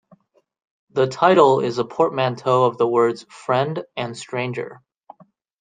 The title is a portmanteau of the words "friend" and "stranger".